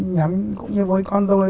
nhắm cũng như với con tôi